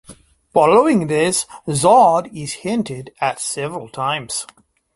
Following this, Zod is hinted at several times.